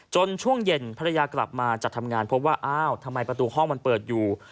ช่วงเย็นภรรยากลับมาจากทำงานพบว่าอ้าวทำไมประตูห้องมันเปิดอยู่